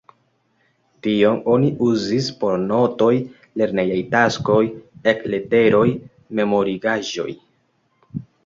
Tion oni uzis por notoj, lernejaj taskoj, et-leteroj, memorigaĵoj.